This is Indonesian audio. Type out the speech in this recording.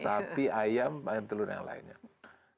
sapi ayam ayam telur dan lain lain